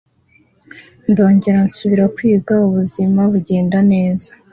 ndongera nsubira kwiga ubuzima bugenda neza